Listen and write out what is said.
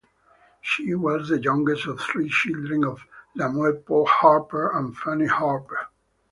She was the youngest of three children of Lemuel Paul Harper and Fannie Harper.